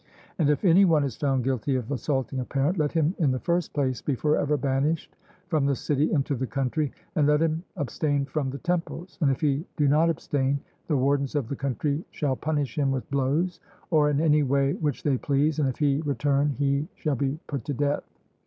And if any one is found guilty of assaulting a parent, let him in the first place be forever banished from the city into the country, and let him abstain from the temples; and if he do not abstain, the wardens of the country shall punish him with blows, or in any way which they please, and if he return he shall be put to death.